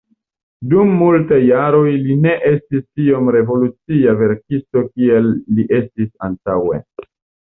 Dum multaj jaroj li ne estis tiom revolucia verkisto kiel li estis antaŭe.